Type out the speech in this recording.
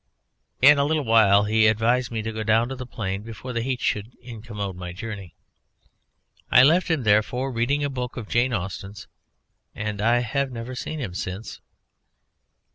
In a little while he advised me to go down to the plain before the heat should incommode my journey. I left him, therefore, reading a book of Jane Austen's, and I have never seen him since.